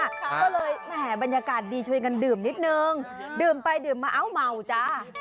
ก็เลยแหมบรรยากาศดีช่วยกันดื่มนิดนึงดื่มไปดื่มมาเอ้าเมาจ้า